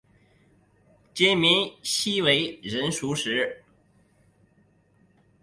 金珉锡为人熟识。